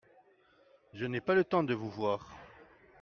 Je n'ai pas le temps de vous voir.